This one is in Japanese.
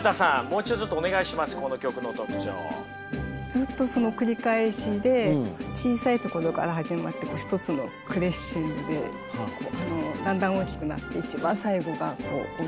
ずっとその繰り返しで小さいところから始まって一つのクレッシェンドでだんだん大きくなって一番最後がこう大きく終わるっていう。